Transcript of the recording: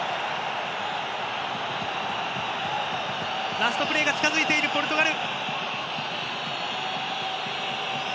ラストプレーが近づいているポルトガル。